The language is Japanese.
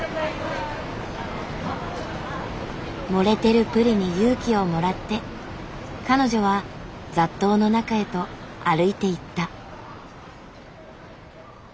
盛れてるプリに勇気をもらって彼女は雑踏の中へと歩いていった。